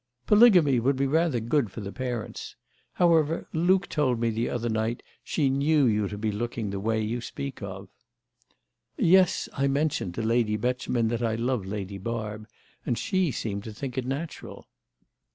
"Polygamy would be rather good for the parents. However, Luke told me the other night she knew you to be looking the way you speak of." "Yes, I mentioned to Lady Beauchemin that I love Lady Barb, and she seemed to think it natural."